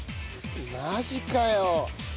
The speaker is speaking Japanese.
マジかよ。